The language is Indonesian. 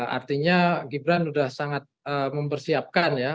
artinya gibran sudah sangat mempersiapkan ya